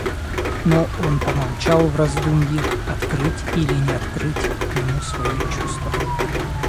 Но... — он помолчал в раздумьи, открыть ли или не открыть ему свое чувство.